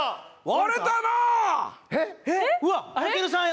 割れたな！